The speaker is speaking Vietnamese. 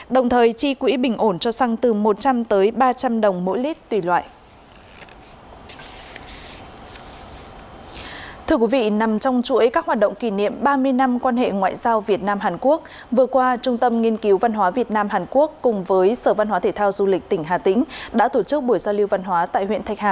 đồng thời chi quỹ bình ổn cho xăng từ một trăm linh tới ba trăm linh đồng một lít tùy loại